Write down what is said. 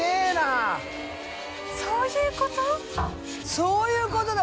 そういうことだ